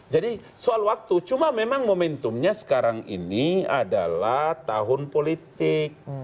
jadi soal waktu cuma memang momentumnya sekarang ini adalah tahun politik